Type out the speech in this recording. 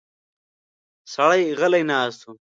سړی غلی ناست و.